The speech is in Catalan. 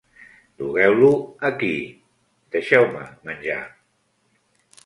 Dugueu-lo aquí! Deixeu-me menjar!